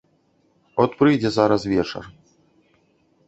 От прыйдзе зараз вечар.